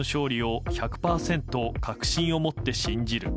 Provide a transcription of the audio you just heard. ロシアの勝利を１００％確信をもって信じる。